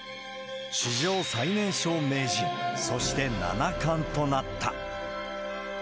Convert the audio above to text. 史上最年少名人、そして七冠となった。